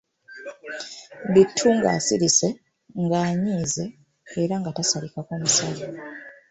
Bittu nga asirise, ng'anyiize, era nga tasalikako musale.